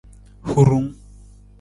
Hurung.